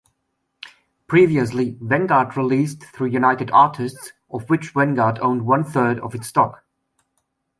Previously, Vanguard released through United Artists, of which Vanguard owned one-third of its stock.